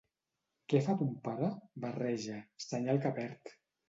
Què fa ton pare? —Barreja —Senyal que perd.